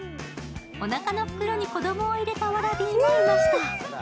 おなかの袋に子どもを入れたワラビーもいました。